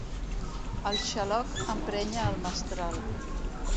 El xaloc emprenya el mestral.